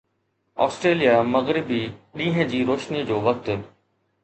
Australia مغربي ڏينهن جي روشني جو وقت